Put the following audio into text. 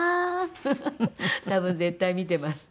フフフ！多分絶対見てます。